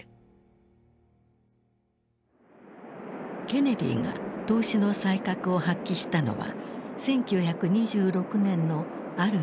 ケネディが投資の才覚を発揮したのは１９２６年のある出来事だった。